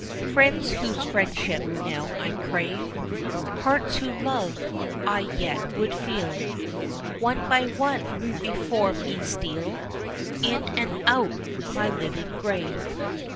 Friends whose friendship now I crave, Hearts whose love I yet would feel, One by one before me steal, In and out my living grave.